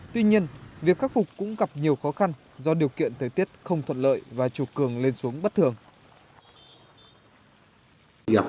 tuy nhiên việc khắc phục cũng gặp nhiều khó khăn do điều kiện thời tiết không thuận lợi và trục cường lên xuống bất thường